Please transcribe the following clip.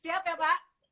siap ya pak